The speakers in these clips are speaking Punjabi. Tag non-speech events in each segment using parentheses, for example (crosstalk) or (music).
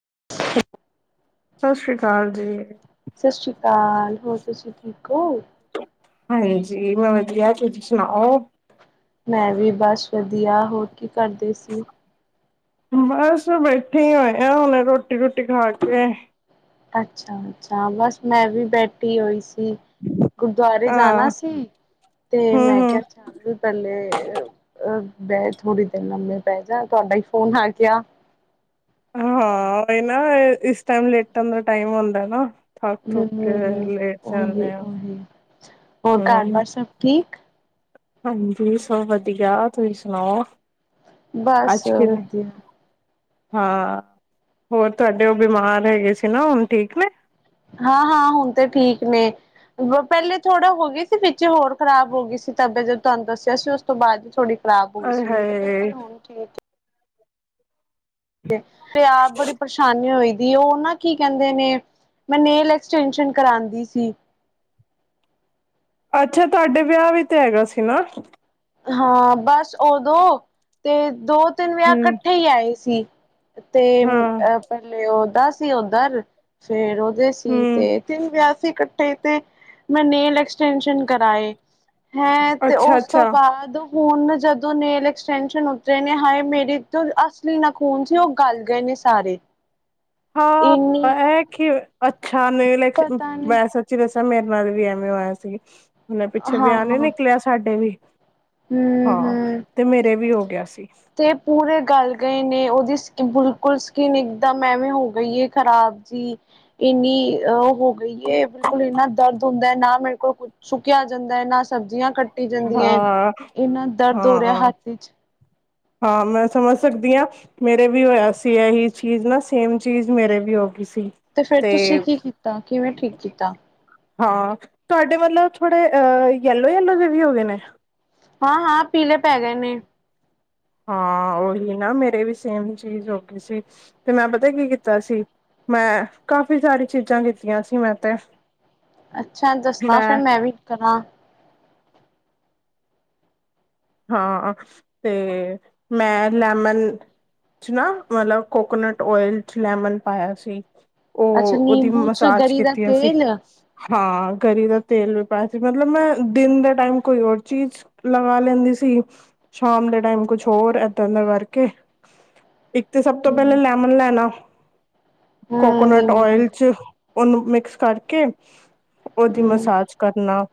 (inaudible) ਸਤਿ ਸ਼੍ਰੀ ਅਕਾਲ ਜੀ! ਹੈਲੋ, ਤੁਸੀਂ ਠੀਕ ਹੋ? ਹਾਂਜੀ, ਮੈਂ ਵਧੀਆ ਤੁਛੀ ਸੁਣਾਓ। ਮੈਂ ਵੀ ਬਸ ਵਧੀਆ, ਹੋਰ ਕੀ ਕਰਦੇ ਸੀ? ਬਸ ਬੈਠੇ ਹੋਏ ਆ ਹੁਣੇ ਰੋਟੀ ਰੂਟੀ ਖਾ ਕੇ ਅੱਛਾ- ਅੱਛਾ, ਬਸ ਮੈਂ ਵੀ ਬੈਠੀ ਹੋਈ ਸੀ। ਗੁਰਦੁਆਰੇ ਹਾਂ ਜਾਣਾ ਸੀ, ਤੇ ਹੂੰ ਮੈਂ ਹੂੰ ਕਿਹਾ ਚੱਲ ਵੀ ਪਹਿਲੇ ਅਹ ਬਹਿ ਥੋੜ੍ਹੀ ਦੇਰ ਮੰਮੀ ਨਾਲ ਮੇ ਬੈਜਾ ਤੁਹਾਡਾ ਹੀ ਫੋਨ ਆ ਗਿਆ। ਹਾਂ ਓ ਹੀ ਨਾ ਇਸ ਟੈਮ ਲੇਟਨ ਦਾ ਟਾਈਮ ਹੁੰਦਾ ਨਾ ਥੱਕ ਥੁੱਕ ਹਮ ਕੇ ਲੇਟ ਓਹੀ- ਜਾਂਦੇ ਆ ਉਹੀ ਹੋਰ ਘਰ ਹੂੰ ਬਾਸ ਸਭ ਠੀਕ? ਹਾਂਜੀ, ਸਭ ਵਧੀਆ ਤੁਸੀਂ ਸੁਣਾਓ? ਬਸ ਅੱਜ ਕਿ ਵਧੀਆ ਹਾਂ, ਹੋਰ ਤੁਹਾਡੇ ਉਹ ਬਿਮਾਰ ਹੈਗੇ ਸੀ, ਨਾ ਹੁਣ ਠੀਕ ਨੇ? ਹਾਂ-ਹਾਂ ਹੁਣ ਤੇ ਠੀਕ ਨੇ। ਪਹਿਲੇ ਥੋੜਾ ਹੋ ਗਈ ਸੀ, ਵਿੱਚੋ ਹੋਰ ਖਰਾਬ ਹੋ ਗਈ ਸੀ ਤਬੀਅਤ, ਜਦੋਂ ਤੁਹਾਨੂੰ ਦੱਸਿਆ ਸੀ ਉਸ ਤੋਂ ਬਾਅਦ ਥੋੜੀ। ਖਰਾਬ ਹੋਈ ਆਏ ਸੁ ਹਾਏ ਪਰ ਹੁਣ ਠੀਕ ਤੇ ਆਪ ਬੜੀ ਪਰੇਸ਼ਾਨੀ ਹੋਈ। ਦੀ ਉਹ ਨਾ ਕੀ ਕਹਿੰਦੇ ਨੇ, ਮੈਂ ਨੇਲ ਐਕਸਟੈਂਸ਼ਨ ਕਰਾਉਂਦੀ ਸੀ। ਅੱਛਾ ਤੁਹਾਡੇ ਵਿਆਹ ਵੀ ਤੇ ਹੈਗਾ ਸੀ ਨਾ। ਹਾਂ ਬਸ ਔਦੋ ਤੇ ਦੋ ਤਿੰਨ ਵਿਆ ਹੂੰ ਕੱਠੇ ਹੀ ਆਏ ਸੀ। ਤੇ ਹਾਂ ਅ ਪਹਿਲੇ ਉਹ ਤਾ ਸੀ ਔਧਰ ਫੇਰ ਔ ਦੇ ਸੀ ਹੂੰ ਤੇ ਤਿੰਨ ਵਿਆ ਫੇਰ ਕੱਟੇ ਤੇ ਮੈਂ ਨੇਲ ਐਕਸਟੈਂਕਸ਼ਨ ਕਰਾਏ। ਹੈਂ ਤੇ ਅੱਛਾ ਔਸ ਤੋਂ ਅੱਛਾ ਬਾਅਦ ਹੁਣ ਮੈਂ ਜਦੋਂ ਨੇਲ ਐਕਸਟੈਂਸ਼ਨ ਉਤਰੇ ਨੇ ਹਾਏ ਮੇਰੇ ਤੋਂ ਅਸਲੀ ਨਾਖੂਨ ਸੀ ਔ ਗਲ ਗਏ ਨੇ ਸਾਰੇ। ਹਾਂ, ਇੰਨੀ ਐ ਹੈ ਕਿ ਅੱ ਛਾ ਨੇਲ ਐ ਕੇ ਪਤਾ ਨੀ ਮੈਂ ਸੱਚੀ ਦ ਤ ਮੇਰੇ ਨਾਲ ਵੀ ਐਵੇਂ ਹੋਇਆ ਸੀ। ਹੁਣੇ ਪਿੱਛੇ ਵਿਆ ਨੀ ਨਿਕਲਿਆ ਸਾਡੇ ਵੀ ਹਾਂ ਹੂੰ-ਹੂੰ ਤੇ ਮੇਰੇ ਵੀ ਹੋ ਗਿਆ ਸੀ। ਤੇ ਪੂਰੇ ਗੱਲ ਗਏ ਨੇ ਔ ਦਿਸ ਬਿਲਕੁਲ ਸਕਿਨ ਇੱਕਦਮ ਐਵੇਂ ਹੋ ਗਈ ਏ ਖ਼ਰਾਬ ਜੀ ਏਨੀ (unintelligible) ਗਈ ਏ ਬਿਲਕੁਲ ਇੰਨਾ ਦਰਦ ਦੁੰਦਾ ਐ। ਨਾ ਮੇਰੇ ਕੋਲ ਕੁਛ ਸੁੱਕਿਆ ਜਾਂਦਾ ਹੈ ਨਾ ਸਬਜ਼ੀਆਂ ਕੱ ਟੀ ਜਾਂਦੀਐਂ ਹਾਂ ਏਨਾ ਦਰਦ ਹੋ ਰਿਐ ਹਾਂ ਹੱਥੀ ਇੱਚ ਹਾਂ ਮੈਂ ਸਮਝ ਸਕਦੀ ਆਂ। ਮੇਰੇ ਵੀ ਹੋਇਆ ਸੀ ਐਹੀ ਚੀਜ਼ ਨਾ, ਸੇਮ ਚੀਜ਼ ਮੇਰੇ ਵੀ ਹੋ ਗਈ ਸੀ ਤੇ ਫੇਰ ਤੁਸੀ ਕੀ ਕੀਤਾ? ਕਿਵੇਂ ਠੀਕ ਕੀਤਾ? ਹਾਂ ਤੁਆਡੇ ਮਤਲਬ ਥੋੜੇ ਅ ਯੈੱਲੋ-ਯੈੱਲੋ ਜ ਵੀ ਹੋ ਗਏ ਨੇ? ਹਾਂ-ਹਾਂ, ਪੀਲੇ ਪੈ ਗਏ ਨੇ। ਹਾਂ, ਔਹੀ ਨਾ ਮੇਰੇ ਵੀ ਸੇਮ ਚੀਜ਼ ਹੋ ਗੀ ਸੀ ਤੇ ਮੈਂ ਪਤੈ ਕੀ ਕੀਤਾ ਸੀ, ਮੈਂ ਕਾਫ਼ੀ ਸਾਰੀ ਚੀਜ਼ਾਂ ਕੀਤੀਆਂ ਸੀ ਮੈਂ ਤੇ ਅੱਛਾ ਦੱਸਦਾ ਫਿਰ, ਮੈਂ ਵੀ ਕਰਾਂ ਹਾਂ ਤੇ ਮੈਂ ਲੈਮਨ 'ਚ ਨਾ ਮਤਲਬ ਕੋਕੋਨਟ ਔਇਲ 'ਚ ਲੈਮਨ ਪਾਇਆ ਸੀ। ਔ ਅੱਛਾ ਔਦੀ ਨਿੰਬੂ ਚ ਮਸਾਜ ਗਰੀ ਦਾ ਕੀਤੀ ਅ। ਤੇਲ ਹਾਂ। ਗਰੀ ਦਾ ਤੇਲ ਵੀ ਪਾਇਆ ਸੀ ਮਤਲਬ ਮੈਂ ਦਿਨ ਦੇ ਟਾਈਮ ਕੋਈ ਹੋਰ ਚੀਜ਼ ਲਗਾ ਲੈਂਦੀ ਸੀ। ਸ਼ਾਮ ਦੇ ਟਾਈਮ ਕੁਛ ਹੋਰ ਏਦਾਂ-ਏਦਾਂ ਕਰਕੇ ਇੱਕ ਤੇ ਸਭ ਤੋਂ ਪਹਿਲਾਂ ਹੂੰ ਲੈਮਨ ਲੈਣਾ ਹੂੰ ਕੋਕੋਨਟ ਨਿੰਬੂ ਔਇਲ 'ਚ ਔਨੂੰ ਮਿ ਕਸ ਕਰਕੇ ਉਹਦੀ ਹੂੰ ਮਸਾਜ ਕਰਨਾ।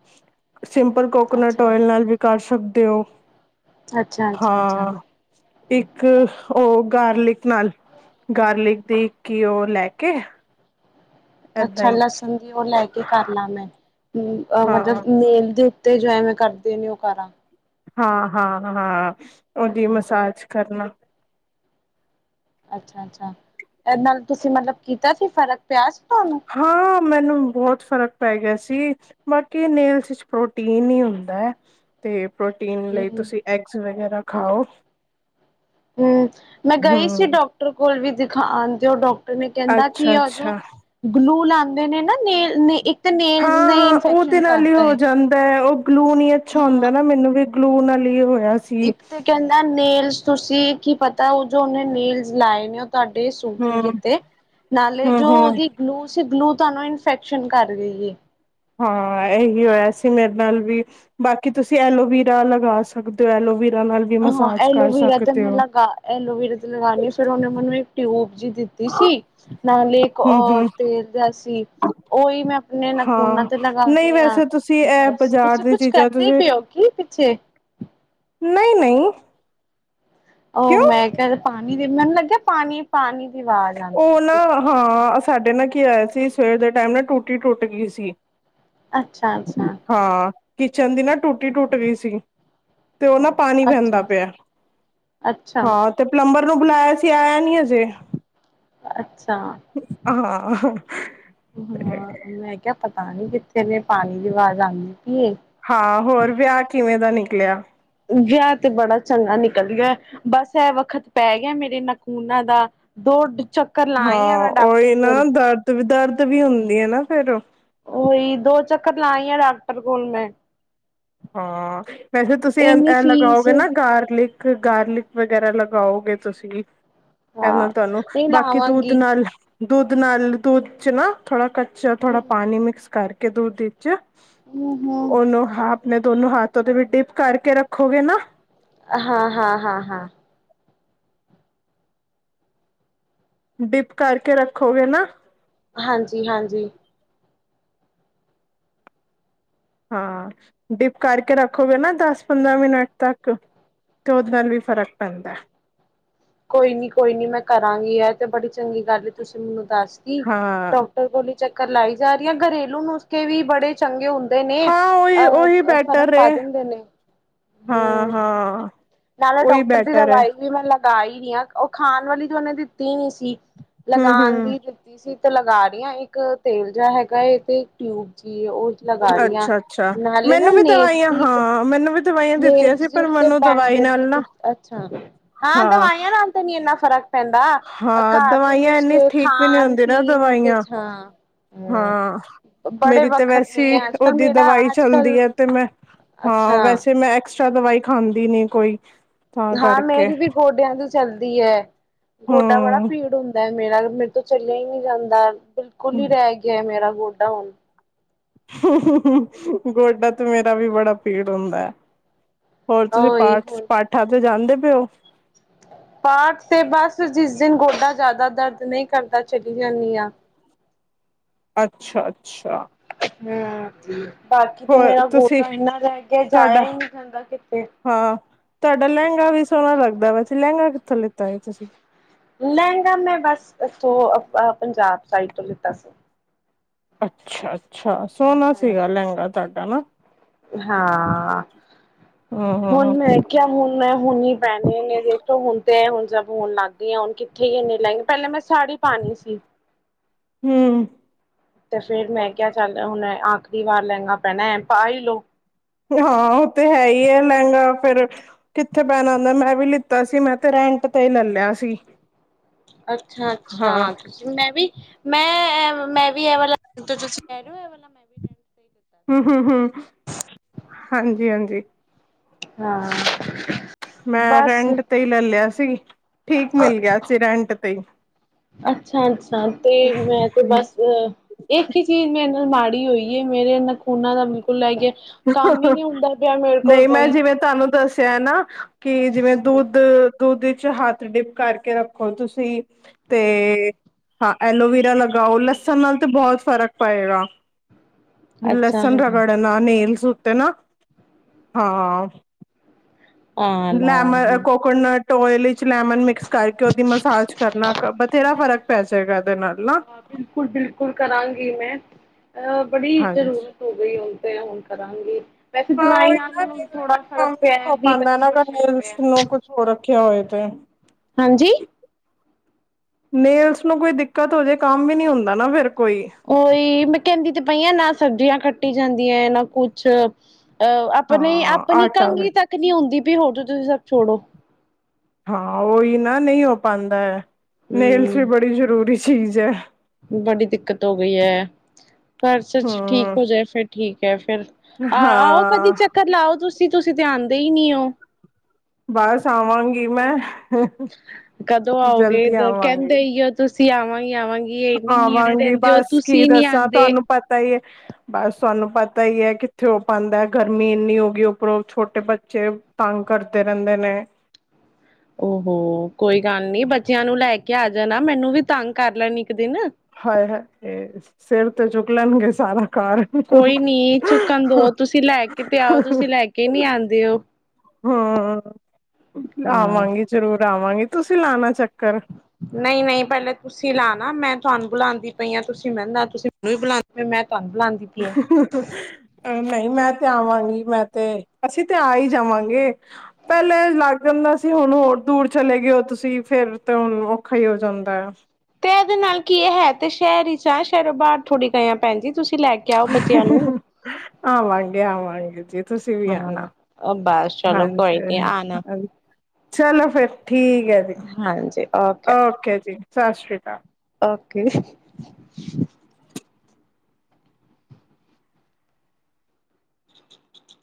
ਸਿੰਪਲ ਕੋਕੋਨਟ ਅੱਛਾ ਓਇਲ ਨਾਲ ਵੀ ਕਰ ਸਕਦੇ ਤੇ ਓ ਅੱਛਾ ਅੱਛਾ ਅੱਛਾ ਹਾਂ ਇੱਕ ਉਹ ਗਾਰਲਿਕ ਨਾਲ ਗਾਰਲਿਕ ਦੀ ਕਿ ਓਹ ਲੈਕੇ ਅੱਛਾ, ਲਸਣ ਦੀ ਉਹ ਲੈਕੇ ਕੇ ਕਰ ਲ ਮੈਂ ਹੂੰ, ਹਾਂ ਨੇਮ ਦੀ ਤੇ ਜੋ ਐਵੇਂ ਕਰਦੇ ਨੇ ਉਹ ਕਰਾਂ ਹਾਂ-ਹਾਂ-ਹਾਂ। ਉਹਦੀ ਮਸਾਜ ਕਰਨਾ। ਅੱਛਾ-ਅੱਛਾ, ਇਹਦੇ ਨਾਲ ਤੁਸੀਂ ਮਤਲਬ ਕੀਤਾ ਸੀ ਫਰਕ ਹਾਂ ਮੈਨੂੰ ਬਹੁਤ ਫ਼ਰਕ ਪੈ ਗਿਆ ਸੀ। ਜੀ ਬਾਕੀ ਨੇਲ ਵਿੱਚ ਪ੍ਰੋਟੀਨ ਹੀ ਹੁੰਦਾ ਹੈ, ਤੇ ਬ ਪ੍ਰੋਟੀਨ ਲਈ ਹੂੰ ਤੁਸੀਂ ਐਗਸ ਵਗੈਰਾ ਖਾਓ। ਹੂੰ, ਮੈਂ ਗਈ ਹਮ ਸੀ ਡਾਕਟਰ ਕੋਲ ਵੀ ਦਿਖਾ ਆਉਦੇ ਹੋ ਡਾਕ ਕਹਿੰਦਾ ਅੱਛਾ ਕਿ, ਉਹ ਜੋ ਅੱਛਾ ਗਲੂ ਲ ਇਹਨਾਂ ਨੇ ਨਾ ਨੇ ਇੱਕ ਤਾਂ ਨੇਲਸ ਨੇ ਹਾਂ-ਹਾਂ, ਉਹਦੇ ਇਨਫੈਕਸ਼ਨ ਨਾਲ ਹੀ ਕਰਤਾ ਹੋ ਏ। ਜਾਂਦਾ ਹੈ, ਉਹ ਗਲੂ ਨੀ ਅੱਛਾ ਹਾਂ ਹੁੰਦਾ ਨਾ ਮੈਨੂੰ ਵੀ ਗਲੂ ਨਾਲ ਹੀ ਸੀ ਇੱਕ ਤੇ ਕਹਿੰਦਾ ਨੇਲਸ ਤੁਸੀਂ ਕੀ ਪਤਾ ਉਹ ਜੋ ਉਹਨੇ ਨੀਲਜ਼ ਲਾਏ ਨੇ ਤੁਹਾਡੇ ਸੂਟ ਨੀ ਹਮ ਕੀਤੇ ਨਾਲੇ ਹਮ ਜੋ ਹਮ ਉਹਦੀ ਗਲੂ ਸੀ ਗਲੂ ਤੁਹਾਨੂੰ ਇਨਫੈਕਸ਼ਨ ਕਰ ਰਹੀ ਏ। ਹਾਂ, ਇਹੀ ਹੋਇਆ ਸੀ ਮੇਰੇ ਨਾਲ ਵੀ ਬਾਕੀ ਤੁਸੀਂ ਐਲੋਵੀਰਾ ਲਗਾ ਸਕਦੇ ਹੋ ਐਲੋਵੀ ਹਾਂ ਐਲੋਵਰਾ ਤੇ ਮੈਂ ਲਗਾ ਐਲੋਵਰਾ ਤੇ ਲਗਾਉਂਦੀ ਫੇਰ ਉਹਨੇ ਮੈਨੂੰ ਇੱਕ ਟਿਊਬ ਜ਼ੀ ਦਿੱਤੀ ਸੀ ਨਾਲੇ ਇੱਕ ਹਮ ਓ ਹਮ ਤੇਲ ਜਿਹਾ ਸੀ ਉਹੀ ਮੈਂ ਆਪਣੇ ਹਾਂ ਨਖੂਨਾਂ ਤੇ ਲਗਾ ਨਹੀਂ ਰਹੀ ਆ ਵੈਸੇ ਤੁਸੀਂ ਤੇ ਇਹ ਬਸ ਬਾਜ਼ਾਰ ਤੁਸੀਂ ਦੀ ਕੁਛ ਚੀਜ਼ਾਂ ਕਰਦੇ ਤੁਸੀਂ ਪਏ ਹੋ ਕੀ ਪਿੱਛ? ਨਹੀਂ ਨਹੀਂ ਉਹ ਕਿਉਂ ਮੈਂ ਕਿਹਾ ਪਾਣੀ ਮੈਨੂੰ ਲੱਗਿਆ ਪਾਣੀ-ਪਾਣੀ ਉਹ ਨਾ ਹਾਂ। ਸਾਡੇ ਨਾ ਕੀ ਹੋਇਆ ਸੀ ਸਵੇਰੇ ਦੇ ਟਾਈਮ ਨਾ ਟੁੱਟੀ ਟੁੱਟ ਗਈ ਸੀ। ਅੱਛਾ ਅੱਛਾ ਹਾਂ। ਕਿਚਨ ਦੀ ਨਾ ਟੂਟੀ ਟੁੱਟ ਗਈ ਸੀ। ਤੇ ਉਹ ਨਾ ਪਾਣੀ ਬਹਿੰਦਾ ਅੱਛਾ ਪਿਆ, ਅੱਛਾ ਅੱਛਾ ਹਾਂ ਤੇ ਪਲੰਬਰ ਨੂੰ ਬੁਲਾਇਆ ਸੀ ਆਇਆ ਨੀ ਹਜੇ। ਅੱਛਾ, ਹਾਂ ਤੇ ਹਾਂ ਮੈਂ ਕਿਹਾ, ਪਤਾ ਨੀ ਕਿੱਥੇ ਨੇ ਪਾਣੀ ਦੀ ਆਵਾਜ਼ ਆਉਂਦੀ। ਹਾਂ ਹੋਰ ਵਿਆਹ ਕਿਵੇਂ ਦਾ ਨੀ ਕਲਿਆ, ਵਿਆਹ ਤੇ ਬੜਾ ਚੰਗਾ ਨਿਕਲ ਗਿਆ ਬਸ ਇਹ ਵੱਖਤ ਪੈ ਗਿਆ ਮੇਰੇ ਨ ਖੂਨਾਂ ਦਾ, ਦੋ। ਚੱਕਰ ਲਾਈ ਆ ਹਾਂ ਮੈਂ ਡਾਕਟਰ ਓਹੀ ਨਾ ਕੋਲ ਦਰਦ ਵੀ ਦਰਦ (unintelligible) ਵੀ ਹੁੰਦੀ ਨਾ ਫੇਰ, ਉਹੀ ਦੋ ਚੱਕਰ ਲਾਈ ਆ ਡਾਕਟਰ ਕੋਲ ਮੈਂ। ਹਾਂ ਵੈਸੇ ਤੁਸੀਂ ਇੰਨੀ ਏ ਫੀਸ ਲਗਾਓਗੇ ਏ। ਨਾ ਗਾਰਲਿਕ ਗਾਰਲਿਕ ਵਗੈਰਾ ਲਗਾਓਗੇ ਤੁਸੀਂ, ਪਹਿਲਾਂ ਹਾਂ ਤੁਹਾਨੂੰ ਨਹੀਂ ਬਾਕੀ ਤੂੰਤ ਲਾਵਾਂਗੀ ਨਾਲ, ਦੁੱਧ ਨਾਲ ਦੁੱਧ ਚ ਨਾ ਥੋੜਾ ਕੱਟ ਵਿੱਚ ਥੋੜ੍ਹਾ ਹਮ ਪਾਣੀ ਮਿਕਸ ਕਰ ਕੇ ਦੂਧ ਦੀ, ਚ ਹਮ ਉਹਨੂੰ ਹਾ, ਆਪਣੇ ਦੋਨੋ ਹੱਥ ਓਹਦੇ ਵਿੱਚ ਡਿਪ ਕਰਕੇ ਰੱਖੋਗੇ ਨਾ। ਹਾਂ, ਹਾਂ, ਹਾਂ, ਹਾਂ। ਡਿਪ ਕਰਕੇ ਰੱਖੋਗੇ ਨਾ। ਹਾਂਜੀ-ਹਾਂਜੀ। ਹਾਂ ਡਿਪ ਕਰਕੇ ਰੱਖੋਗੇ ਨਾ ਦਸ ਪੰਦਰਾਂ ਮਿੰਟ ਤੱਕ, ਤੇ ਉਹਦੇ ਨਾਲ ਵੀ ਫ਼ਰਕ ਪੈਂਦੈ। ਕੋਈ ਨੀ ਕੋਈ ਨੀ ਮੈਂ ਕਰਾਂਗੀ ਇਹ ਤੇ ਬੜੀ ਚੰਗੀ ਗੱਲ ਏ ਤੁਸੀਂ ਮੈਨੂੰ ਦੱਸਤੀ ਹਾਂ ਡਾਕਟਰ ਕੋਲ ਹੀ ਚੱਕ ਕਰ ਲਾਈ ਜਾ ਰਹੀ ਹੈ ਘਰੇਲੂ ਨੁਸਖੇ ਵੀ ਬੜੇ ਚੰਗੇ ਹੁੰਦੇ ਨੇ ਹਾਂ ਉਹੀ ਅ ਉਹੀ ਫ਼ਰਕ ਬੈਟਰ ਪਾ ਏ ਦਿੰਦੇ ਨੇ, ਹਾਂ ਹੂੰ ਹਾਂ ਨਾਲੇ ਉਹੀ ਡਾਕਟਰ ਦੀ ਬੈਟਰ ਹੈ ਦਵਾਈ ਵੀ ਮਤਲਬ ਘਾ ਈ ਰੀ ਆ, ਔ ਖਾਣ ਵਾਲੀ ਤੇ ਔਨੇ ਦਿੱਤੀ ਨੀ ਸੀ। ਹਮ ਲਗਾਣ ਹਮ ਦੀ ਦਿੱਤੀ ਸੀ। ਤੇ ਲਗਾ ਰੀ ਆਂ ਇੱਕ ਤੇਲ ਜਾ ਹੈਗਾ ਏ, ਤੇ ਇਕ ਟਿਊਬ ਜੀ ਉਹ ਲਗਾ ਰਹੀ ਹਾਂ ਅੱਛਾ-ਅੱਛਾ, ਨਾਲੇ ਨਾ ਮੈਨੂੰ ਵੀ ਨੇਲਸ ਦਵਾਈਆਂ ਦੀ ਇੱਕ ਹਾਂ, ਮੈਨੂੰ ਵੀ ਦਵਾਈਆਂ ਦਿੱਤੀਆਂ ਨੇਲਸ ਸੀ ਦੇ ਪਰ ਉੱਤੇ ਮੈਨੂੰ ਦਵਾਈ ਬੈਂਡੀਜ ਜੀ ਨਾਲ ਨਾ ਦਿਤ, ਅੱਛਾ, ਹਾਂ ਦਵਾਈਆਂ ਨਾਲ ਤੇ ਨੀ ਇਨਾ ਫਰਕ ਹਾਂ, ਦਵਾਈਆਂ ਇਨੀ ਠੀਕ ਵੀ ਨੀ ਖਾਣ ਹੁੰਦੀ ਨਾ ਪੀਣ ਤੇ ਦਵਾਈਆਂ ਹਾਂ। ਹਮ ਹਾਂ, ਬੜੇ ਮੇਰੀ ਤੇ ਵਕਤ ਵੈਸੇ ਈ ਨੇ ਅੱਜ ਕੱਲ ਓਦੀ ਮੇਰਾ ਦਵਾਈ ਅੱਜ ਕੱਲ ਚੱਲਦੀ ਐ ਤੇ ਮੈਂ ਹਾਂ ਅੱਛਾ ਵੈਸੇ ਮੈਂ 'ਚ ਦਵਾਈ ਖਾਂਦੀ ਨੀ ਕੋਈ ਤਾਂ ਹਾਂ ਕਰਕੇ ਮੇਰੀ ਵੀ ਗੋਡਿਆਂ ਦੀ ਚੱਲਦੀ ਐ। ਗੋਡਾ ਬੜਾ ਹਮ ਪੀੜ ਹੁੰਦੈ ਮੇਰਾ ਮੇਰੇ ਤੋਂ ਚੱਲਿਆ ਈ ਨ੍ਹੀਂ ਜਾਂਦਾ। ਬਿਲਕੁਲ ਈ ਰੈ ਗਿਐ, ਮੇਰਾ ਗੋਡਾ ਹੋਣ (inaudible) ਗੋਡਾ ਤੇ ਮੇਰਾ ਵੀ ਬੜਾ ਪੀੜ ਹੁੰਦੈ। ਓਹੀ ਹੁਣ, ਪਏ ਹੋ ਪਾਠ ਤੇ ਬਸ ਜਿਸ ਦਿਨ ਗੋਡਾ ਜੈਦਾ ਦਰਦ ਨਈ ਕਰਦਾ ਚਲੀ ਜਾਂਦੀ ਆਂ। ਅੱਛਾ ਅੱਛਾ। ਹੂੰ (inaudible) ਹੋਰ ਤੁਸੀਂ, ਜਾਇਆ ਤੁਹਾਡਾ ਹੀ ਨਹੀਂ ਜਾਂਦਾ ਕਿਤੇ ਹਾਂ ਤੁਹਾਡਾ ਲੈੰਗਾ ਵੀ ਸੋਹਣਾ ਲੱਗਦ ਦਾ ਪਿਆ ਸੀ, ਲੈੰਗਾ ਕਿੱਥੋਂ ਲਿੱਤਾ ਏ ਤੁਸੀਂ? ਲੈੰਗਾ ਮੈਂ ਬਸ ਉਥੋਂ ਆਪਾ ਪੰਜਾਬ ਸਾਈਡ ਤੋਂ ਲਿੱਤਾ ਸੀ। ਅੱਛਾ। ਅੱਛਾ, ਸੋਣਾ ਸੀਗਾ ਨਾ ਲੈੰਗਾ ਤਾਡਾ ਨਾ। ਹਾਂ, ਹੂੰ ਹੁਣ ਹੂੰ ਮੈਂ ਕਿਆ ਹੁਣ ਮੈਂ ਹੁਣ ਹੀ ਪੈਣੇ ਨੇ ਦੇਖੋ ਹੁਣ ਤੇ ਹੁਣ ਜਾ ਹੋਣ ਲੱਗ ਗਈਆਂ ਹੁਣ ਕਿੱਥੇ ਈ ਇੰਨੇ ਲੈੰਗ ਪੈਲੇ ਮੈਂ ਸਾੜੀ ਪਾਂਣੀ ਸੀ। ਹੂੰ ਤੇ ਫੇਰ ਮੈਂ ਕਿਆ ਚੱਲ ਹੁਣ ਐ ਆਖ ਰੀ ਵਾਰ ਲੈਂਗਾ ਪੈਣੈ ਪਾ ਈ ਲੋ। ਹਾਂ, ਔ ਤੇ ਹੈ ਈ ਏ ਲੈੰਗਾ ਫੇਰ ਕਿੱਥੇ ਪੈਣਾ ਹੁੰਦੈ ਮੈਂ ਵੀ ਲਿੱਤਾ ਸੀ ਮੈਂ ਤੇ ਰੈਂਟ ਤੇ ਲਲਯਾ ਸੀ। ਅੱਛਾ -ਅੱਛਾ, ਹਾਂ ਤੁਂਸੀ ਵੀ ਮੈਂ ਵੀ ਮੈਂ ਐ ਮੈਂ ਵੀ ਐ ਵਾਲਾ ਜੋ ਤੁਸੀਂ ਕੈ ਰੇ ਔ ਮੈਂ ਵੀ ਤੇ ਹੀ ਲਿੱਤਾ ਦਾ ਸੀ ਹੂੰ-ਹੂੰ-ਹੂੰ, ਹਾਂਜੀ- ਹਾਂਜੀ। ਹਾਂ। (inaudible) ਮੈਂ ਬਸ ਰੈਂਟ ਤੇ ਈ ਲੈ ਲਿਆ ਸ ਸੀ। ਠੀਕ ਮਿਲ ਗਿਆ ਸੀ ਰੈਂਟ ਤੇ ਅੱਛਾ- ਅ ਤੇ ਮੈਂ ਤੇ ਹੀ ਬਸ ਇੱਕ ਹੀ ਚੀਜ਼ ਮੈਨੂੰ ਮਾੜੀ ਹੋਈ ਏ ਮੇਰੇ ਨਾਂ ਖੂਨਾ ਦਾ ਬਿਲਕੁਲ ਲੈ ਕੇ (inaudible) ਨਹੀਂ ਮੈਂ ਕੋਈ ਜਿਵੇਂ ਤੁਹਾਨੂੰ ਦੱਸ (unintelligible) ਕਿ ਜਿਵੇਂ ਦੁੱਧ, ਦੁੱਧ ਚ ਹੱਥ ਡਿੱਪ ਕਰਕੇ ਰੱਖੋ, ਤੁਸੀਂ ਤੇ ਹਾਂ ਐਲੋਵਰਾ ਲ ਪਾਉ ਲੱਸਣ ਨਾਲ ਤੇ ਬਹੁਤ ਫ਼ਰਕ, ਪਾਏਗਾ। ਅੱਛਾ ਲਸਨ ਹਾਂ ਰਗੜਨਾ ਨੀ, ਉਸ ਉਤੇ ਨਾ ਹਾਂ, ਹਾਂ ਮੈ ਲਾਵਾਂਗੀ। ਕੋਕੋਨਟ, ਟੋਈਲੀ, ਲੈਮਨ ਮਿਕਸ ਕਰਕੇ ਉਹਦੀ ਮਸਾਜ ਕਰਨਾ ਬਥੇਰਾ ਫਰਕ, ਪੈਜੇਗਾ। ਹਾਂ ਬਿਲਕੁਲ-ਬਿਲਕੁਲ ਕਰਾਂਗੀ ਮੈਂ, ਅ ਬੜੀ ਹਾਂਜੀ ਜ਼ਰੂਰਤ ਹੋ ਗਈ ਹੁਣ, ਤੇ ਹੁਣ ਕਰਾਂਗੀ ਵੈਸੇ ਹਾਂ ਦਵਾਈ ਉਹੀ ਨਾ ਨਾਲ ਨੇਲਸ ਥੋੜਾ ਫਿਰ ਫ਼ਰਕ ਕੰਮ ਹੀ ਨਹੀਂ ਪਿਆ ਹੋ ਵੀਹ ਪਾਉਂਦਾ ਪੱਚੀ ਨਾ ਅਗਰ ਪਰਸੈਂਟ ਨੇਲਸ ਪਿਆ ਨੂੰ ਕੁਛ ਹੋ ਰੱਖਿਆ ਹੋਏ ਤੇ ਹਾਂਜੀ। ਨੇੇਲਸ ਨੂੰ ਕੋਈ ਦਿੱਕਤ ਹੋਜੇ ਕੰਮ ਵੀ ਨੀ ਹੁੰਦਾ ਨਾ ਫੇਰ, ਉਹੀ ਮੈਂ ਕਹਿੰਦੀ ਤੇ ਪਈਆਂ ਨਾ ਸਬਜ਼ੀਆਂ ਕੱਟ ਟੀ ਜਾਂਦੀ ਹੈ ਨਾ ਕੁਛ, ਅਹ ਹਾਂ ਆਪਣੀ-ਆਪਣੀ ਆਟਾ ਵੀ ਕੰਘੀ ਤੱਕ ਨੀ ਹੁੰਦੀ। ਵੀ ਹੋਰ ਤੁਸੀਂ ਸਭ ਛੋੜੋ, ਹਾਂ ਉਹੀ ਨਾ ਨਹੀਂ ਹੋ ਪਾਦਾ ਹੈ। ਨੇਲਸ ਵੀ ਹੂੰ ਬੜੀ ਜ਼ਰੂਰੀ ਚੀਜ਼ ਹੈ। ਬੜੀ ਦਿੱਕਤ ਹੋ ਗਈ ਹੈ, ਪਰ ਸੱਚ ਠੀਕ ਹਮ ਹੋ ਜਾਏ ਫੇਰ ਠੀਕ, (unintelligible) ਫਿਰ ਆਹ ਆਓ ਕਦੀ ਹਾਂ ਚੱਕਰ ਲਾਓ ਤੁਸੀਂ ਤੁਸੀਂ ਤੇ ਆ ਹੈ ਹੀ ਨੀ ਔ, ਬਸ ਆਵਾਂਗੀ ਮੈਂ, ਕਦੋਂ ਆਓਗੇ, ਜਲਦੀ ਤੇ ਆਵਾਂਗੀ ਕਹਿੰਦੇ ਹੀ ਤੁਸੀਂ ਕੀ ਆਵਾਗੇ। ਆਵਾਂਗੀ ਇਨੀ ਨੇੜੇ ਆਵਾਂਗੀ ਰਹਿੰਦੇ ਹੋ ਬਸ ਕੀ ਤੁਸੀਂ ਨੀ ਦੱਸਾਂ ਆਦੇ, ਤੁਹਾਨੂੰ ਪਤਾ ਹੀ ਹੈ ਬਸ ਤੁਹਾਨੂੰ ਪਤਾ ਹੀ ਹੈ ਕਿੱਥੇ ਹੋ ਪਾਦਾ ਗਰਮੀ ਇੰਨੀ ਹੋ ਗਈ, ਉੱਪਰੋਂ ਛੋਟੇ ਬੱਚੇ ਤੰਗ ਕਰਦੇ ਰਹਿੰਦੇ ਨੇ, ਔ ਹੋ ਕੋਈ ਗੱਲ ਨੀ ਬੱਚਿਆਂ ਨੂੰ ਲੈ ਕੇ ਆ ਜਾ ਨਾ ਮੈਨੂੰ ਵੀ ਤੰਗ ਕਰ ਲੈਣ ਇੱਕ ਦਿਨ, ਹਾਏ-ਹਾਏ, ਸਿਰ ਤੇ ਚੁੱਕ ਲੈਣਗੇ ਸਾਰਾ ਘਰ, ਕੋਈ ਨੀ ਚੁੱਕਣ ਦੋ ਤੁਸੀਂ ਲੈ ਕੇ ਤੇ ਆਓ ਤੁਸੀਂ ਲੈ ਕੇ ਨੀ ਆਉਂਦੇ ਹੋ ਹਾਂ, ਹਾਂ ਆਵਾਂਗੀ ਜਰੂਰ ਆਵਾਂਗੇ, ਤੁਸੀਂ ਲਾਨਾ ਚੱਕ ਨਈਂ-ਨਈਂ ਪੈਲੇ ਤੁਸੀਂ ਲਾਨਾ ਮੈਂ ਤੁਹਾਨੂੰ ਬੁਲਾਂਦੀ ਪਈ ਆਂ ਤੁਸੀਂ (unintelligible) ਤੁਸੀਂ ਮੈਨੂੰ ਈ ਬੁਲਾਂਦੇ ਪੇ ਮੈਂ ਤੁਹਾਨੂੰ ਬੁਲਾਉਂਦੀ ਪਈ ਹਾਂ ਨਈਂ ਮੈਂ ਤੇ ਆਵਾਂਗੀ ਮੈਂ ਤੇ ਅਸੀਂ ਤੇ ਆ ਈ ਜਾਵਾਂਗੇ ਪੈਲੇ ਲਾਗ ਜਾਂਦਾ ਸੀ ਹੁਨ ਹੋਰ ਦੂਰ ਚਲੇ ਗਏ ਔ ਤੁਸੀ ਫੇਰ ਤੇ ਹੁਨ ਔਖਾ ਈ ਹੋ ਜਾਂਦੈ ਤੇ ਐਦੇ ਨਾਲ ਕੀ ਏ ਹੈ ਤੇ ਸ਼ਹਿਰ ਇੱਚ ਆਛ- ਘਰੋਂ ਬਾਹਰ ਥੋੜੀ ਗਏ ਆਂ, ਭੈਣ ਜੀ। ਤੁਸੀਂ ਲੈ ਕੇ ਆਔ ਬੱਚਿਆਂ ਨੂੰ ਆਵਾਂਗੇ-ਆਵਾਂਗੇ, ਜੀ। ਤੁਸੀਂ ਵੀ ਆਨਾ ਹਾਂ ਬਸ ਚਲੋ ਕੋਈ ਨੀ ਹਾਂਜੀ, ਆਣਾ ਚਲੋ ਫੇਰ ਠੀਕ ਐ ਜੀ, ਹਾਂਜੀ ਓਕੇ ਔਕੇ ਜੀ। ਸਤਿ ਸ਼੍ਰੀ ਅਕਾਲ ਔਕੇ